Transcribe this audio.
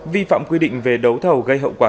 vi phạm quy định về đấu thầu gây hậu quả